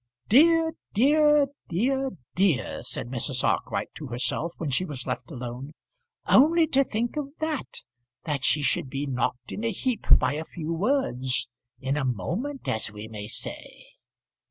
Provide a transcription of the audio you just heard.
"Dear, dear, dear, dear!" said Mrs. Arkwright to herself when she was left alone. "Only to think of that; that she should be knocked in a heap by a few words in a moment, as we may say."